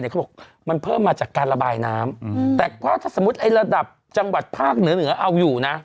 เขาบอกมันเพิ่มมาจากการระบายน้ำแต่ถ้าสมมุติไอ้ระดับจังหวัดภาคเหนือเหนือเอาอยู่นะ